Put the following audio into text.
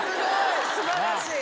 すばらしい。